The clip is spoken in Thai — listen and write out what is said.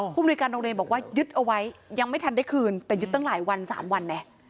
มนุยการโรงเรียนบอกว่ายึดเอาไว้ยังไม่ทันได้คืนแต่ยึดตั้งหลายวัน๓วันไง